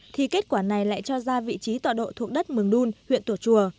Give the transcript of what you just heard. thì kết quả này lại cho ra vị trí tọa độ thuộc đất mường đun huyện tùa chùa